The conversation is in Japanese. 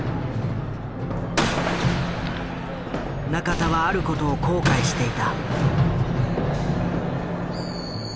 仲田はある事を後悔していた。